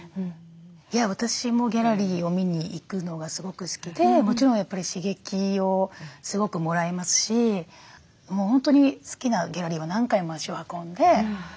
私もギャラリーを見に行くのがすごく好きでもちろんやっぱり刺激をすごくもらいますしもう本当に好きなギャラリーは何回も足を運んで。